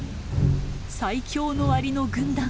最強のアリの軍団。